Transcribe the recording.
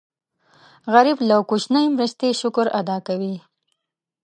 غریب له کوچنۍ مرستې شکر ادا کوي